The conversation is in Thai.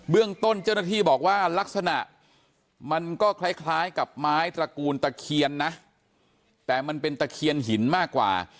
เรื่องต้นเจ้าหน้าที่บอกว่าลักษณะมันก็คล้ายกับไม้ตระกูลตะเคียนนะแต่มันเป็นตะเคียนหินมากกว่า